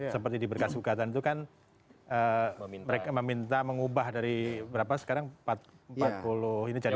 seperti di berkas gugatan itu kan mereka meminta mengubah dari berapa sekarang empat puluh ini jadi